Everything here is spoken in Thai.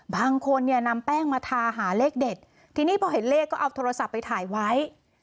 บางคนเนี่ยนำแป้งมาทาหาเลขเด็ดทีนี้พอเห็นเลขก็เอาโทรศัพท์ไปถ่ายไว้